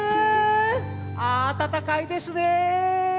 あたたかいですね。